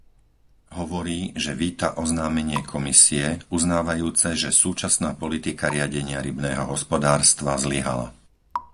Hovorí, že víta oznámenie Komisie uznávajúce, že súčasná politika riadenia rybného hospodárstva zlyhala.